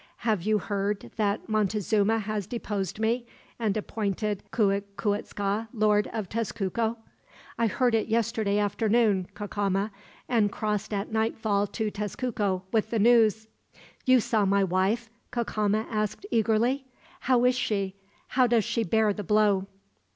Have you heard that Montezuma has deposed me, and appointed Cuicuitzca Lord of Tezcuco?" "I heard it yesterday afternoon, Cacama; and crossed at nightfall to Tezcuco, with the news." "You saw my wife?" Cacama asked eagerly. "How is she? How does she bear the blow?"